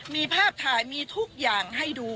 มีภาพถ่ายมีทุกอย่างให้ดู